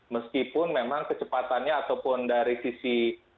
meskipun memang kecepatannya ataupun dari sisi